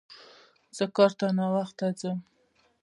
زه کار ته ناوخته ځم